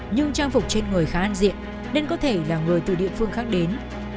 nhưng trang phục trên người khá an diện nên có thể là người từ địa phương khác đến